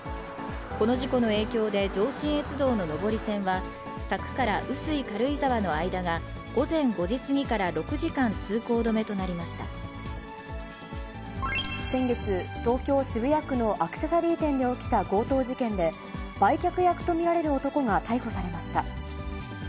この事故の影響で、上信越道の上り線は、佐久から碓氷軽井沢の間が、午前５時過ぎから６時間通行止め先月、東京・渋谷区のアクセサリー店で起きた強盗事件で、売却役と見られる男が逮捕されました。